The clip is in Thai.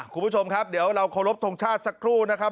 คุณผู้ชมครับเดี๋ยวเราเคารพทงชาติสักครู่นะครับ